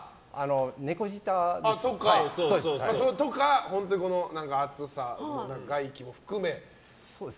猫舌です。とか、熱さ、外気も含め。